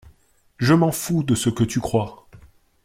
Je m’en fous de ce que tu crois.